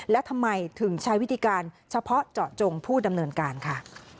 และทำไมถึงใช้วิธีการเฉพาะเจาะจงผู้ดำเนินการค่ะ